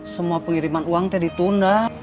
semua pengiriman uang tadi tunda